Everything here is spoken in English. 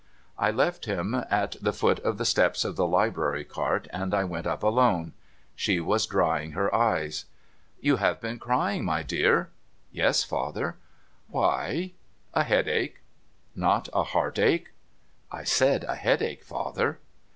I left him at the foot of the steps of the Library Cart, and I went np alone. She was drying her eyes. ' You have been crying, my dear.' ' Yes, father.' * Why ?'* A headache.' * Not a heartache ?'' I said a headache, father.'